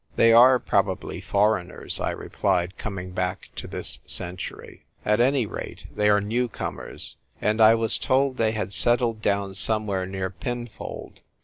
" They are probably foreigners," I replied, coming back to this century. "At any rate, they are new comers. And I was told they had settled down somewhere near Pinfold."